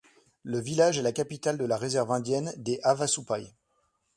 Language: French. Le village est la capitale de la réserve indienne des Havasupai.